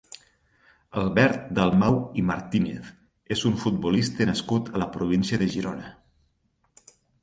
Albert Dalmau i Martínez és un futbolista nascut a la província de Girona.